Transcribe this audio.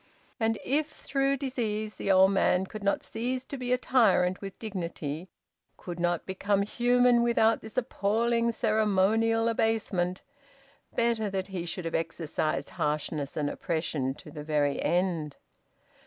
And if through disease, the old man could not cease to be a tyrant with dignity, could not become human without this appalling ceremonial abasement better that he should have exercised harshness and oppression to the very end!